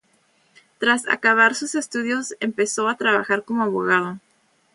Tras acabar sus estudios empezó a trabajar como abogado.